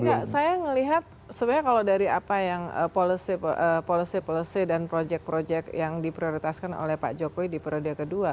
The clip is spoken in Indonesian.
enggak saya melihat sebenarnya kalau dari apa yang policy policy dan project project yang diprioritaskan oleh pak jokowi di periode kedua